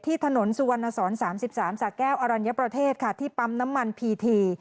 ถนนสุวรรณสอน๓๓สะแก้วอรัญญประเทศค่ะที่ปั๊มน้ำมันพีที